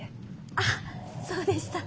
あっそうでした。